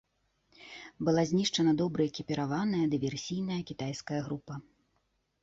Была знішчана добра экіпіраваная дыверсійная кітайская група.